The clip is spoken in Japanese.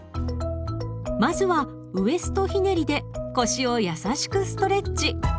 まずはウエストひねりで腰をやさしくストレッチ。